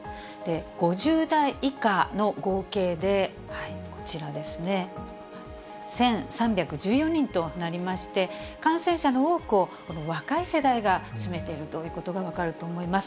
５０代以下の合計でこちらですね、１３１４人となりまして、感染者の多くをこの若い世代が占めているということが分かると思います。